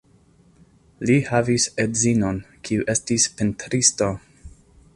Li havis edzinon, kiu estis pentristo.